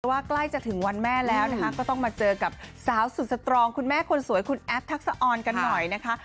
ใกล้จะถึงวันแม่แล้วนะคะก็ต้องมาเจอกับสาวสุดสตรองคุณแม่คนสวยคุณแอฟทักษะออนกันหน่อยนะคะ